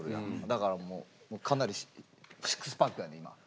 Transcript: だからもうかなりシックスパックやねん今。